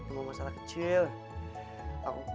emang masalah kecil aku